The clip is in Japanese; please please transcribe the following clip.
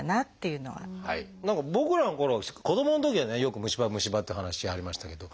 何か僕らのころ子どものときはねよく虫歯虫歯っていう話ありましたけど。